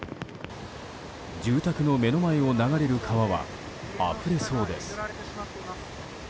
住宅の目の前を流れる川はあふれそうです。